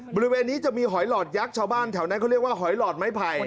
บริเวณนี้จะมีหอยหลอดยักษ์ชาวบ้านแถวนั้นเขาเรียกว่าหอยหลอดไม้ไผ่